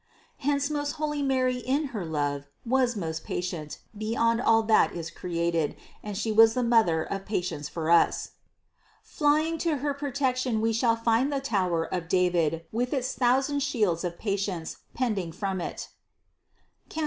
Hence most holy Mary in her love was patient beyond all that is created and She was the Mother of patience for us. Flying to her protection we shall find the tower of David with its thousand shields of patience pending from it (Cant.